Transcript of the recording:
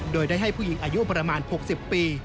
โดยได้ให้ผู้หญิงอายุประมาณ๖๐ปี